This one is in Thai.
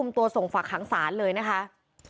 ตัวส่งฝากหางศาลเลยนะคะ